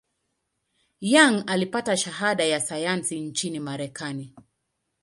Young alipata shahada ya sayansi nchini Marekani.